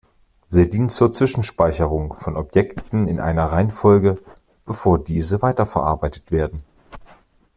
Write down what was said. Sie dient zur Zwischenspeicherung von Objekten in einer Reihenfolge, bevor diese weiterverarbeitet werden.